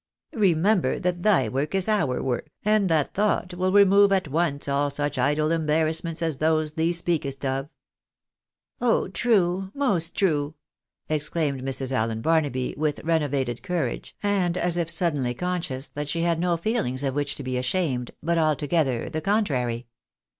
" Remember that thy work is our work, and that thought will remove at once all such idle embarrassments as those thee speakest of." " Oh true ! most true !" exclaimed Mrs. Allen Barnaby, with renovated courage, and as if suddenly conscious that she had no feelings of which to be ashamed, but altogether the contrary.